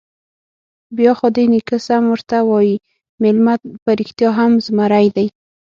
_بيا خو دې نيکه سم ورته وايي، مېلمه په رښتيا هم زمری دی.